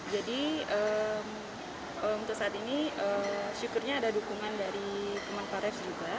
jadi untuk saat ini syukurnya ada dukungan dari teman paref juga